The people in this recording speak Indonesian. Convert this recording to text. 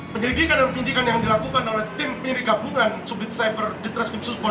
penyelidikan dan penyelidikan yang dilakukan oleh tim penyelidikan bukan subjek cyber